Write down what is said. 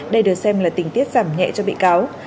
đây được xem là tình tiết giảm nhẹ cho bị cáo